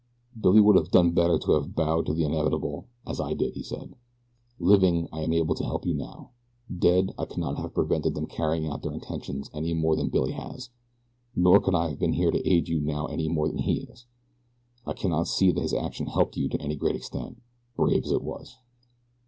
"Billy would have done better to have bowed to the inevitable as I did," he said. "Living I am able to help you now. Dead I could not have prevented them carrying out their intentions any more than Billy has, nor could I have been here to aid you now any more than he is. I cannot see that his action helped you to any great extent, brave as it was."